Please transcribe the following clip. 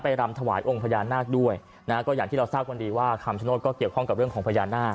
รำถวายองค์พญานาคด้วยนะฮะก็อย่างที่เราทราบกันดีว่าคำชโนธก็เกี่ยวข้องกับเรื่องของพญานาค